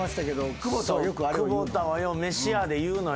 久保田はよう飯屋で言うのよ。